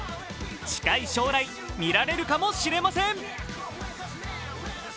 近い将来見られるかもしれません。